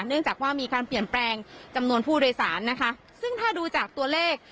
เนื่องจากว่ามีการเปลี่ยนแปลงจำนวนผู้โดยสารนะคะซึ่งถ้าดูจากตัวเลข